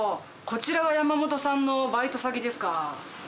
こちらが山本さんのバイト先ですか。